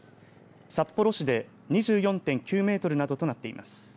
札幌市で２４．９メートルなどとなっています。